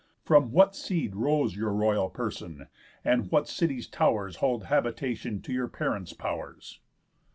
From what seed rose Your royal person? And what city's tow'rs Hold habitation to your parents' pow'rs?"